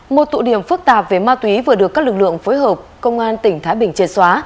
một tụ điểm phức tạp về ma túy vừa được các lực lượng phối hợp công an tỉnh thái bình triệt xóa